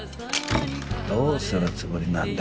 どうするつもりなんだよ？